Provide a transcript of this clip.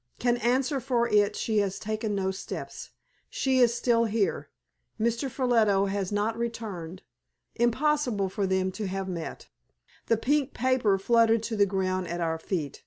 Can answer for it she has taken no steps. She is still here. Mr. Ffolliot has not returned. Impossible for them to have met." The pink paper fluttered to the ground at our feet.